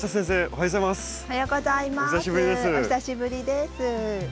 お久しぶりです。